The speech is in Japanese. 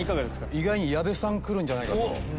意外に矢部さん来るんじゃないかと。